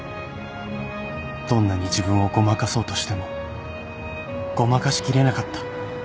どんなに自分をごまかそうとしてもごまかしきれなかった